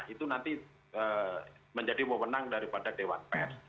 itu nanti menjadi wamenang daripada dewan pers